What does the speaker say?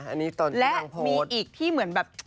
อันนี้ตอนที่น้องโพสต์และมีอีกที่เหมือนแบบ